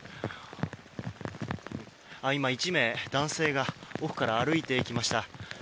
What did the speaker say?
今、１名、男性が奥から歩いてきました。